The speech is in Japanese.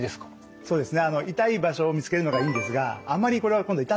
そうですね。